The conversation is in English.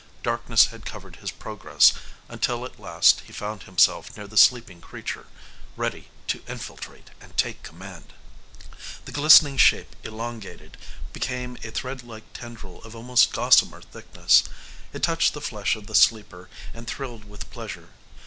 Darkness had covered his progress until at last he found himself near the sleeping creature, ready to infiltrate and take command. The glistening shape elongated, became a thread like tendril of almost gossamer thickness. It touched the flesh of the sleeper and thrilled with pleasure.